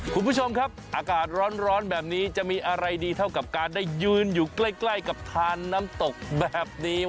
คุณผู้ชมครับอากาศร้อนแบบนี้จะมีอะไรดีเท่ากับการได้ยืนอยู่ใกล้กับทานน้ำตกแบบนี้